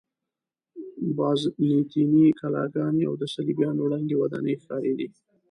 بازنطیني کلاګانې او د صلیبیانو ړنګې ودانۍ ښکارېدې.